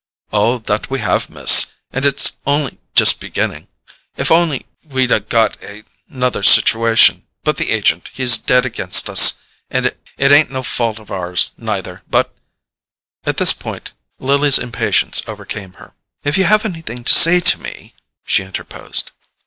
"Oh, that we have, Miss, and it's on'y just beginning. If on'y we'd 'a got another situation—but the agent, he's dead against us. It ain't no fault of ours, neither, but——" At this point Lily's impatience overcame her. "If you have anything to say to me——" she interposed.